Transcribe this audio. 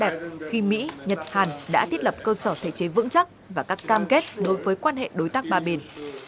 và một tương lai tốt đẹp khi mỹ nhật hàn đã thiết lập cơ sở thể chế vững chắc và các cam kết đối với quan hệ đối tác ba bên